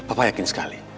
papa yakin sekali